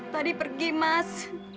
tadi pergi mas